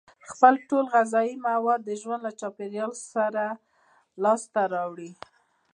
خپل ټول غذایي مواد د ژوند له چاپیریال څخه لاس ته راوړي.